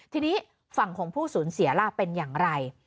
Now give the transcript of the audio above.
ทีนี้ฝั่งของผู้สูญเสียล่ะเป็นอย่างไร